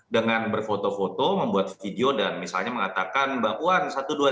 dengan berfoto foto membuat video dan misalnya mengatakan mbak puan satu dua tiga